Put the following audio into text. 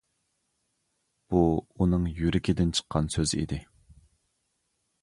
بۇ ئۇنىڭ يۈرىكىدىن چىققان سۆز ئىدى.